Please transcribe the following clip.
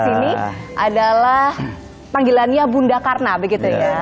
ini adalah panggilannya bunda karna begitu ya